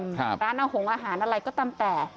ครับร้านอาหงษ์อาหารอะไรก็ตั้มแต่